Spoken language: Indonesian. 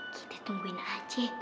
kita tungguin aja